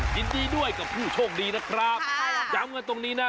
ยินดีด้วยกับผู้โชคดีนะครับใช่ค่ะย้ำกันตรงนี้นะ